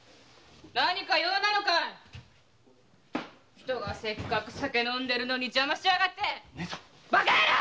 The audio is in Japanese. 人がせっかく酒飲んでるのに邪魔しやがってバカヤロウ！